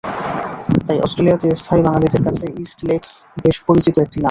তাই অস্ট্রেলিয়াতে স্থায়ী বাঙালিদের কাছে ইস্ট লেকস বেশ পরিচিত একটি নাম।